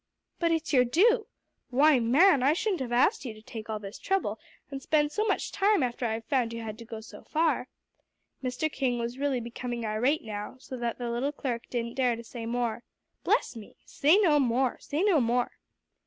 "But it's your due. Why, man, I shouldn't have asked you to take all this trouble, and spend so much time after I've found you had so far to go." Mr. King was really becoming irate now, so that the little clerk didn't dare to say more. "Bless me! Say no more say no more!"